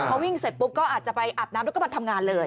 พอวิ่งเสร็จปุ๊บก็อาจจะไปอาบน้ำแล้วก็มาทำงานเลย